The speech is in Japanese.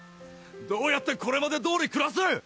どうやってこれまで通り暮らす！？